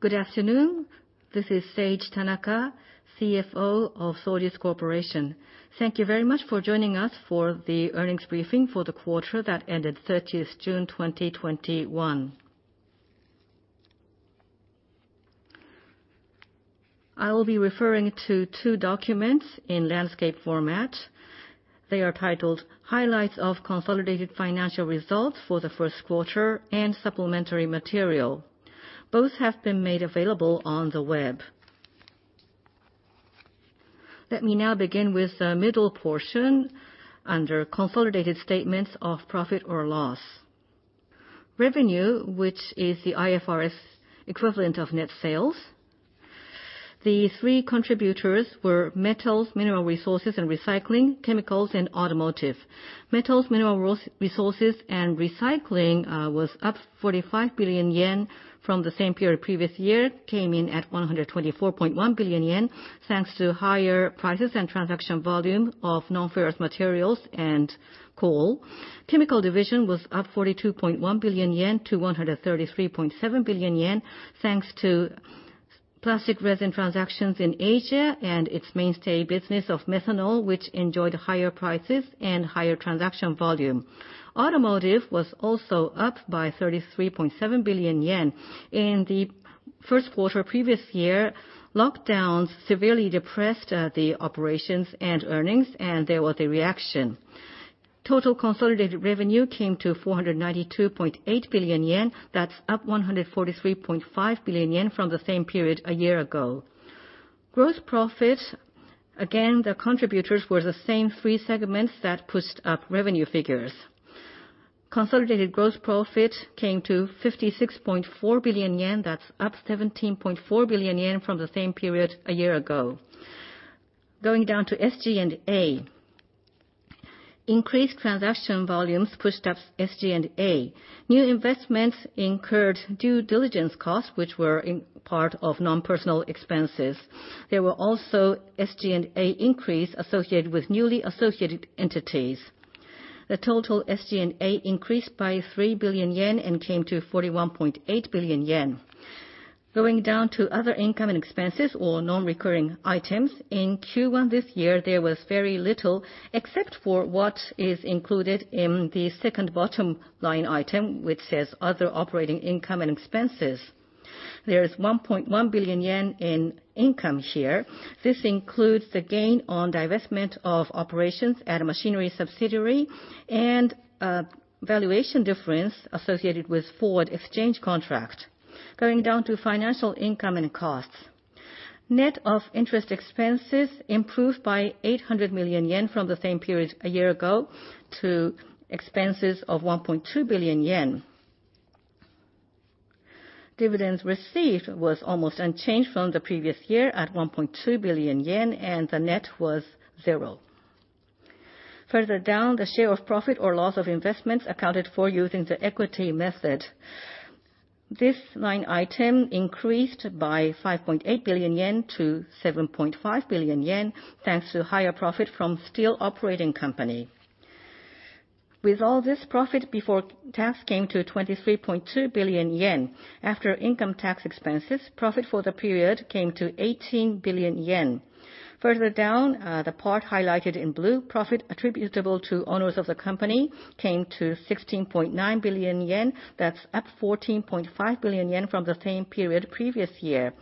Good afternoon. This is Seiichi Tanaka, CFO of Sojitz Corporation. Thank you very much for joining us for the earnings briefing for the quarter that ended June 30th, 2021. I will be referring to two documents in landscape format. They are titled Highlights of Consolidated Financial Results for the First Quarter, and Supplementary Material. Both have been made available on the web. Let me now begin with the middle portion under Consolidated Statements of Profit or Loss. Revenue, which is the IFRS equivalent of net sales. The three contributors were metals, mineral resources and recycling, chemicals, and automotive. Metals, mineral resources and recycling was up 45 billion yen from the same period previous year, came in at 124.1 billion yen, thanks to higher prices and transaction volume of non-ferrous materials and coal. Chemical division was up 42.1 billion yen to 133.7 billion yen, thanks to plastic resin transactions in Asia and its mainstay business of methanol, which enjoyed higher prices and higher transaction volume. Automotive was also up by 33.7 billion yen. In the first quarter previous year, lockdowns severely depressed the operations and earnings, and there was a reaction. Total consolidated revenue came to 492.8 billion yen. That's up 143.5 billion yen from the same period a year ago. Gross profit, again, the contributors were the same three segments that pushed up revenue figures. Consolidated gross profit came to 56.4 billion yen. That's up 17.4 billion yen from the same period a year ago. Going down to SG&A. Increased transaction volumes pushed up SG&A. New investments incurred due diligence costs, which were in part of non-personal expenses. There were also SG&A increase associated with newly associated entities. The total SG&A increased by 3 billion yen and came to 41.8 billion yen. Going down to other income and expenses or non-recurring items. In Q1 this year, there was very little, except for what is included in the second bottom line item, which says other operating income, and expenses. There is 1.1 billion yen in income here. This includes the gain on divestment of operations at a machinery subsidiary, and a valuation difference associated with forward exchange contract. Going down to financial income and costs. Net of interest expenses improved by 800 million yen from the same period a year ago to expenses of 1.2 billion yen. Dividends received was almost unchanged from the previous year at 1.2 billion yen, and the net was zero. Further down, the share of profit or loss of investments accounted for using the equity method. This line item increased by 5.8 billion yen to 7.5 billion yen, thanks to higher profit from steel operating company. With all this, profit before tax came to 23.2 billion yen. After income tax expenses, profit for the period came to 18 billion yen. Further down, the part highlighted in blue, Profit attributable to owners of the company, came to 16.9 billion yen. That's up 14.5 billion yen from the same period previous year.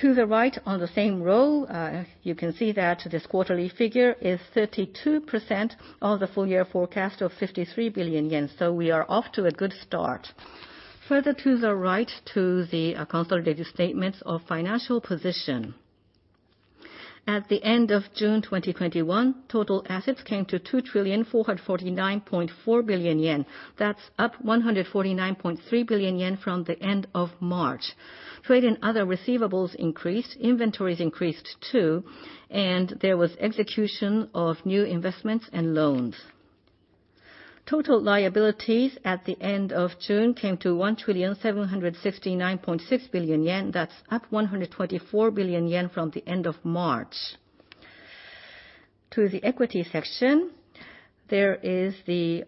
To the right on the same row, you can see that this quarterly figure is 32% of the full year forecast of 53 billion yen. We are off to a good start. Further to the right to the Consolidated Statements of Financial Position. At the end of June 2021, total assets came to 2,449.4 billion yen. That's up 149.3 billion yen from the end of March. Trade and other receivables increased, inventories increased too, and there was execution of new investments and loans. Total liabilities at the end of June came to 1,769.6 billion yen. That's up 124 billion yen from the end of March. To the equity section, there is the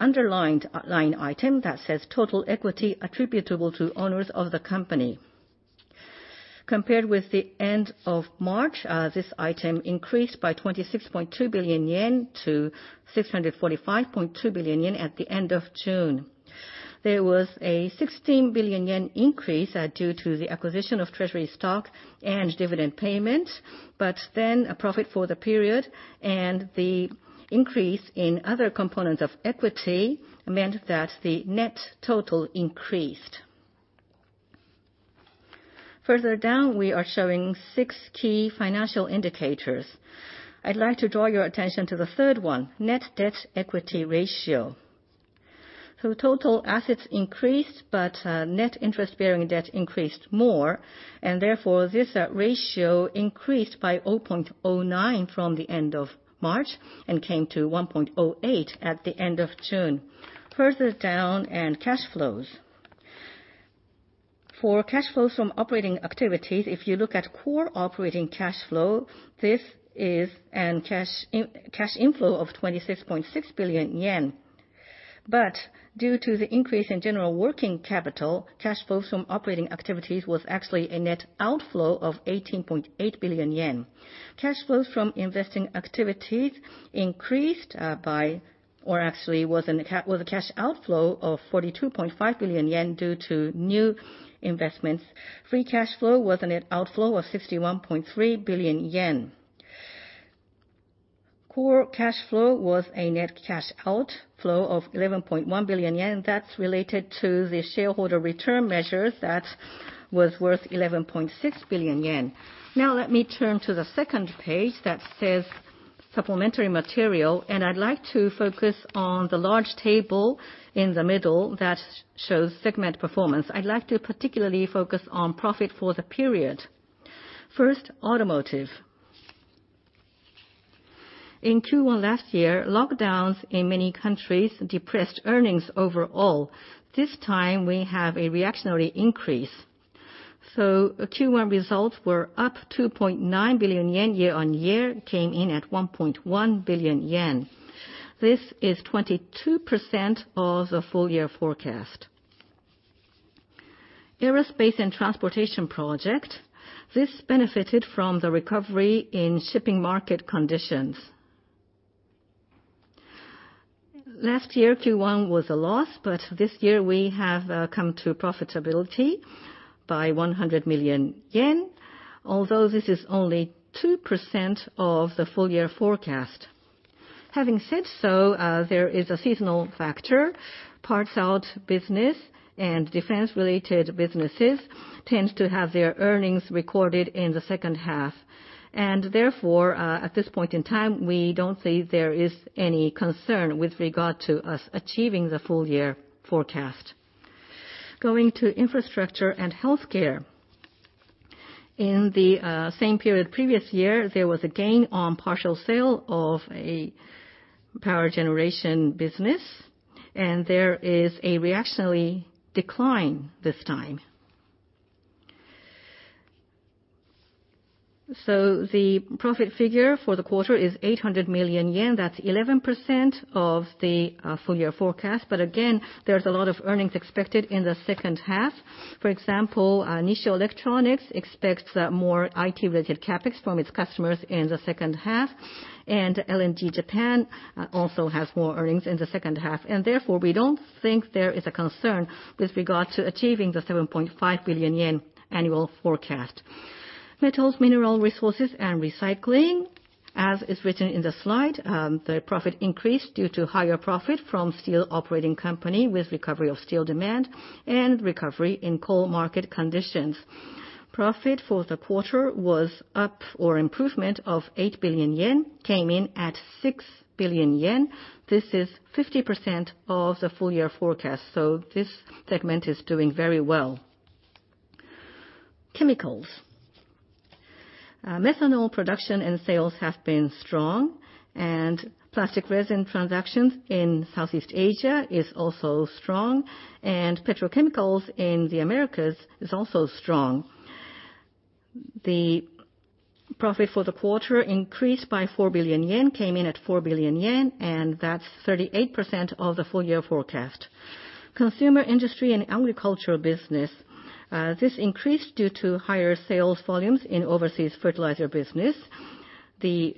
underlined line item that says, "Total equity attributable to owners of the company." Compared with the end of March, this item increased by 26.2 billion-645.2 billion yen at the end of June. There was a 16 billion yen increase due to the acquisition of treasury stock and dividend payment, a profit for the period and the increase in other components of equity meant that the net total increased. Further down, we are showing six key financial indicators. I'd like to draw your attention to the third one, Net Debt Equity Ratio. Total assets increased, but net interest bearing debt increased more, and therefore, this ratio increased by 0.09 from the end of March and came to 1.08 at the end of June. Further down, and cash flows. For cash flows from operating activities, if you look at core operating cash flow, this is an cash inflow of 26.6 billion yen. Due to the increase in general working capital, cash flows from operating activities was actually a net outflow of 18.8 billion yen. Cash flows from investing activities actually was a cash outflow of 42.5 billion yen due to new investments. Free cash flow was a net outflow of 61.3 billion yen. Core cash flow was a net cash outflow of 11.1 billion yen. That's related to the shareholder return measures that was worth 11.6 billion yen. Let me turn to the second page that says supplementary material, and I'd like to focus on the large table in the middle that shows segment performance. I'd like to particularly focus on profit for the period. First, automotive. In Q1 last year, lockdowns in many countries depressed earnings overall. This time, we have a reactionary increase. Q1 results were up 2.9 billion yen year-on-year, came in at 1.1 billion yen. This is 22% of the full year forecast. Aerospace and transportation project. This benefited from the recovery in shipping market conditions. Last year, Q1 was a loss, but this year we have come to profitability by 100 million yen. This is only 2% of the full year forecast. Having said so, there is a seasonal factor. Parts out business and defense-related businesses tend to have their earnings recorded in the second half. Therefore, at this point in time, we don't see there is any concern with regard to us achieving the full year forecast. Going to infrastructure and healthcare. In the same period previous year, there was a gain on partial sale of a power generation business, and there is a reactionary decline this time. The profit figure for the quarter is 800 million yen. That's 11% of the full year forecast. Again, there's a lot of earnings expected in the second half. For example, Nissho Electronics expects more IT-related CapEx from its customers in the second half, and LNG Japan also has more earnings in the second half. Therefore, we don't think there is a concern with regard to achieving the 7.5 billion yen annual forecast. Metals, mineral resources, and recycling, as is written in the slide, the profit increased due to higher profit from steel operating company with recovery of steel demand and recovery in coal market conditions. Profit for the quarter was up, or improvement of 8 billion yen, came in at 6 billion yen. This is 50% of the full year forecast, so this segment is doing very well. Chemicals. Methanol production and sales have been strong, and plastic resin transactions in Southeast Asia is also strong. Petrochemicals in the Americas is also strong. The profit for the quarter increased by 4 billion yen, came in at 4 billion yen, and that's 38% of the full year forecast. Consumer industry and agricultural business. This increased due to higher sales volumes in overseas fertilizer business. The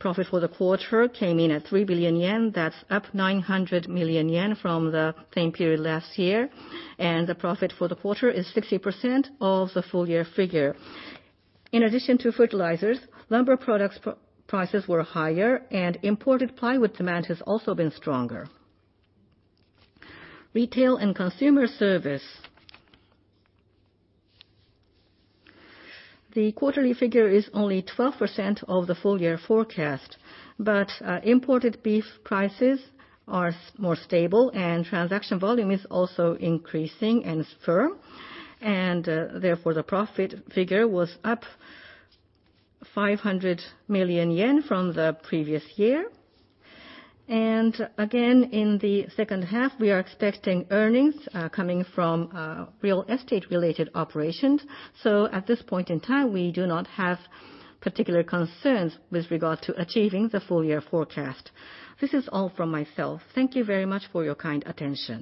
profit for the quarter came in at 3 billion yen. That's up 900 million yen from the same period last year. The profit for the quarter is 60% of the full year figure. In addition to fertilizers, lumber prices were higher. Imported plywood demand has also been stronger. Retail and consumer service. The quarterly figure is only 12% of the full year forecast. Imported beef prices are more stable, and transaction volume is also increasing and is firm. Therefore, the profit figure was up 500 million yen from the previous year. Again, in the second half, we are expecting earnings coming from real estate-related operations. At this point in time, we do not have particular concerns with regard to achieving the full year forecast. This is all from myself. Thank you very much for your kind attention.